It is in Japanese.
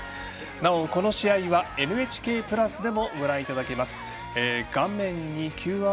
なお、この試合は「ＮＨＫプラス」でもご覧いただけます。